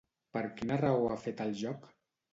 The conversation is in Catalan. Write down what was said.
Per quina raó ha fet el joc?